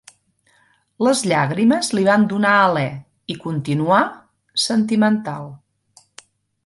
Les llàgrimes li van donar alè, i continuà, sentimental